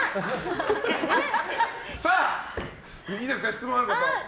質問ある方？